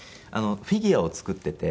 フィギュアを作っていて。